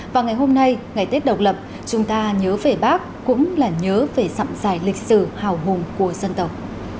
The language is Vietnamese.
và ngày hôm nay ngày tết độc lập chúng ta nhớ về bác cũng là nhớ về dặm dài lịch sử hào hùng của dân tộc